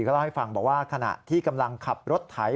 ก็เล่าให้ฟังบอกว่าขณะที่กำลังขับรถไถ